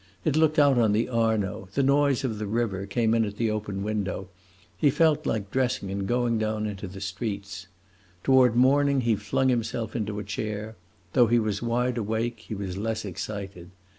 It looked out on the Arno; the noise of the river came in at the open window; he felt like dressing and going down into the streets. Toward morning he flung himself into a chair; though he was wide awake he was less excited.